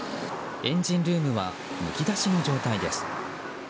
エンジンルームはむき出しの状態です。